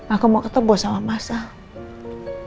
aku mau ketemu sama mas al